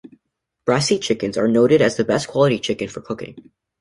Bresse chickens are noted as the best quality chicken for cooking.